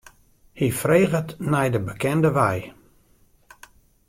Hy freget nei de bekende wei.